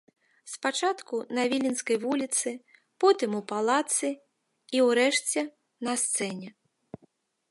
Спачатку на віленскай вуліцы, потым у палацы і, урэшце, на сцэне.